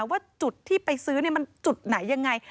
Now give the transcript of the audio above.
ว่าจุดที่ไปซื้อมันจุดไหนยังไง